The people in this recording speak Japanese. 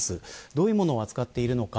どういうものを扱っているのか。